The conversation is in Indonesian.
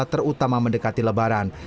terutama mendekati lebaran